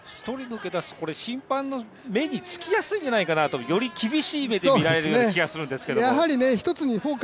１人抜け出すと審判の目につきやすいんじゃないかなとより厳しい目で見られる気がするんですけれども。